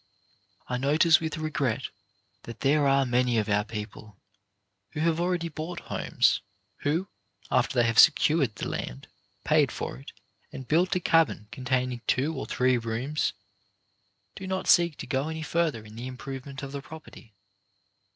I notice with regret that there are many of our people who have already bought homes, who, after they have secured the land, paid for it and built a cabin containing two or three rooms, do not seek to go any further in the improvement of the property.